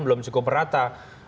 belum cukup rata